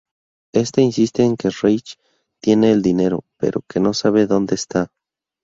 Éste insiste en que Reggie tiene el dinero, pero que no sabe dónde está.